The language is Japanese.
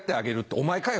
お前かよ！